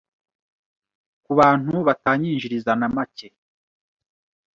ku bantu batanyinjiriza na macye